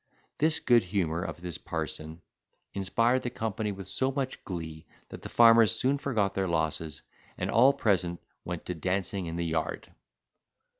This good humour of this parson inspired the company with so much glee that the farmers soon forgot their losses, and all present went to dancing in the yard.